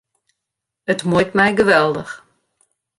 It muoit my geweldich.